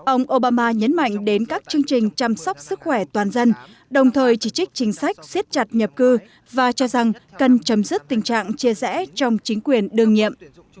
ông obama nhấn mạnh đến các chương trình chăm sóc sức khỏe toàn dân đồng thời chỉ trích chính sách siết chặt nhập cư và cho rằng cần chấm dứt tình trạng chia rẽ trong chính quyền đương nhiệm